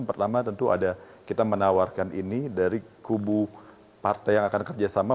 pertama tentu ada kita menawarkan ini dari kubu partai yang akan kerjasama